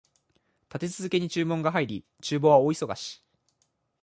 立て続けに注文が入り、厨房は大忙し